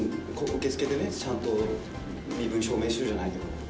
受付でねちゃんと身分証明書じゃないけど。